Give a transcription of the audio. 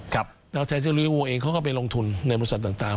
แล้วจักรเทศเลี้ยงวัวเองเขาก็ไปลงทุนในบริษัทต่าง